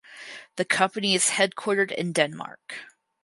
The company is headquartered in Denmark.